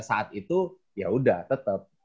saat itu ya udah tetap